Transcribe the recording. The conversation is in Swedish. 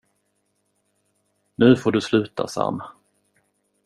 Nu får du sluta, Sam!